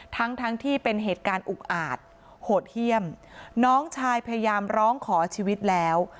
ทั้งทั้งที่เป็นเหตุการณ์อุกอาจโหดเยี่ยมน้องชายพยายามร้องขอชีวิตแล้ว